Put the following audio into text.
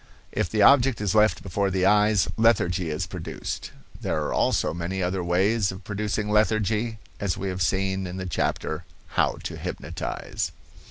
If the object is left before the eyes, lethargy is produced. There are also many other ways of producing lethargy, as we have seen in the chapter "How to Hypnotize."